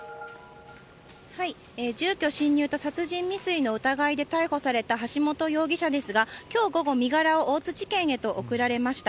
住居侵入と殺人未遂の疑いで逮捕された橋本容疑者ですが、きょう午後、身柄を大津地検へと送られました。